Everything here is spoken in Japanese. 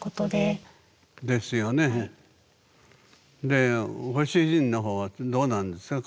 でご主人の方はどうなんですか？